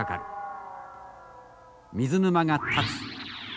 水沼が立つ。